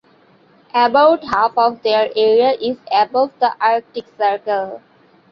About half of their area is above the Arctic Circle.